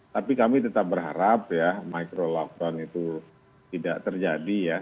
tapi kami tetap berharap ya micro lockdown itu tidak terjadi ya